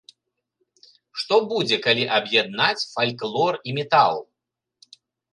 Што будзе, калі аб'яднаць фальклор і метал?